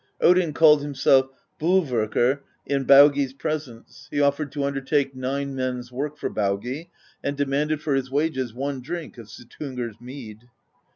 Odin called himself Bolverkr in Baugi's presence; he offered to under take nine men's work for Baugi, and demanded for his wages one drink of Suttungr's Mead.